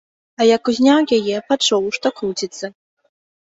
А як узняў яе, пачуў, што круціцца.